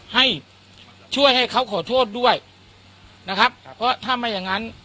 ให้ช่วยให้เขาขอโทษด้วยนะครับครับเพราะถ้าไม่อย่างงั้น